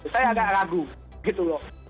saya agak ragu gitu loh